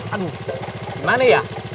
aduh gimana ya